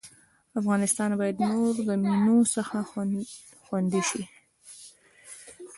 افغانستان بايد نور د مينو څخه خوندي سي